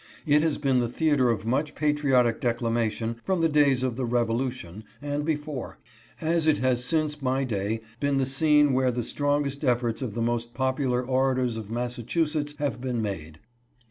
It has been the theater of much patriotic declamation from the days of the " Revo lution," and before ; as it has since my day been the scene where the strongest efforts of the most popular orators of Massachusetts have been made.